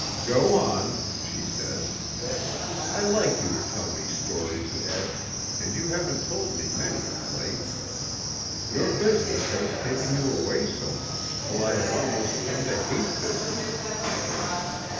"Go on," she says, "I like you to tell me stories, Ed, and you haven't told me many of late. Your business has taken you away so much, till I have almost come to hate business."